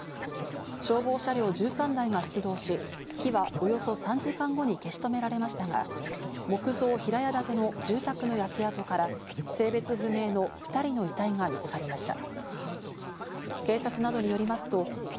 消防車両１３台が出動し、火はおよそ３時間後に消し止められましたが、木造平屋建ての住宅の焼け跡から性別不明の２人の遺体が見つかりました。